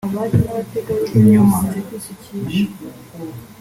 inyuma